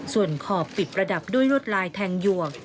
ส่วนขอบปิดประดับด้วยลวดลายแทงหยวก